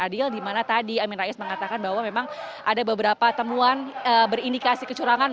yang jujur dan adil dimana tadi amin rais mengatakan bahwa memang ada beberapa temuan berindikasi kecurangan